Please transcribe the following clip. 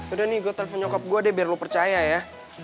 udah nih gue telepon nyokop gue deh biar lo percaya ya